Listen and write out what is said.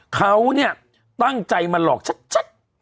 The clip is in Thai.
เขตั้งใจมาหลอกชัด